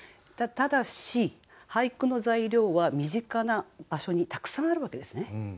ただし俳句の材料は身近な場所にたくさんあるわけですね。